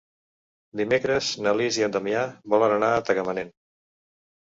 Dimecres na Lis i en Damià volen anar a Tagamanent.